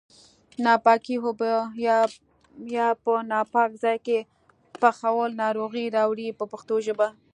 ناپاکې اوبه یا په ناپاک ځای کې پخول ناروغۍ راوړي په پښتو ژبه.